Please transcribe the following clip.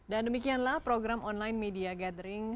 dan demikianlah program online media gathering